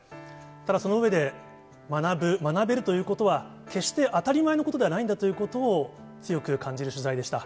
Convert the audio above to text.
ただその上で、学ぶ、学べるということは決して当たり前のことではないんだということを強く感じる取材でした。